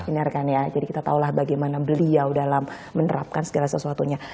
ini rekan rekan ya jadi kita tahu lah bagaimana beliau dalam menerapkan segala sesuatunya